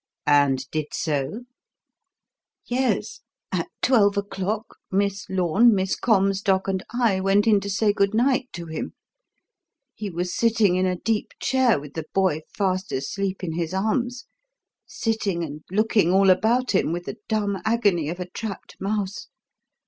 '" "And did so?" "Yes. At twelve o'clock, Miss Lorne, Miss Comstock, and I went in to say good night to him. He was sitting in a deep chair with the boy fast asleep in his arms sitting and looking all about him with the dumb agony of a trapped mouse.